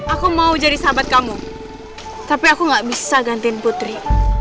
aku mau jadi sahabat kamu tapi aku gak bisa gantiin putri